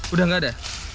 udah nggak ada